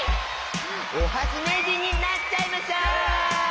おはしめいじんになっちゃいましょう！